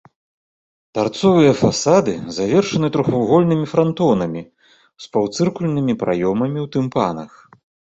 Тарцовыя фасады завершаны трохвугольнымі франтонамі з паўцыркульнымі праёмамі ў тымпанах.